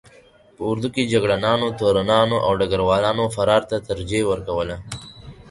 په اردو کې جګړه نانو، تورنانو او ډګر والانو فرار ته ترجیح ورکوله.